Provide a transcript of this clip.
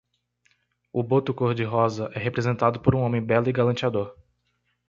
O boto-cor-de-rosa é representado por um homem belo e galanteador